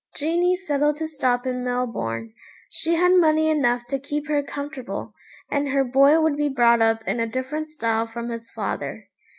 Jeanie settled to stop in Melbourne. She had money enough to keep her comfortable, and her boy would be brought up in a different style from his father.